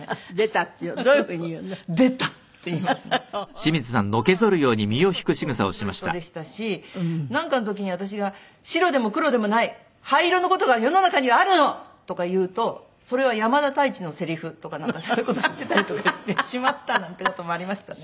そういうとこすごい面白い人でしたしなんかの時に私が「白でも黒でもない灰色の事が世の中にはあるの！」とか言うと「それは山田太一のセリフ」とかそういう事知ってたりとかしてしまったなんて事もありましたね。